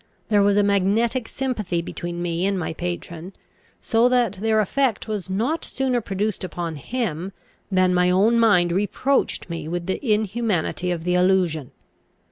There was a magnetical sympathy between me and my patron, so that their effect was not sooner produced upon him, than my own mind reproached me with the inhumanity of the allusion.